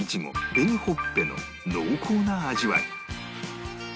紅ほっぺの濃厚な味わい